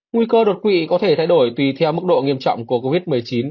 nguy cơ đột quỵ có thể thay đổi tùy theo mức độ nghiêm trọng của covid một mươi chín